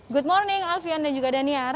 good morning alfie anda juga daniar